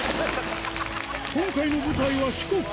今回の舞台は四国